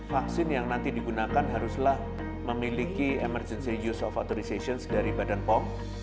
vaksin yang nanti digunakan haruslah memiliki emergency use of authorizations dari badan pom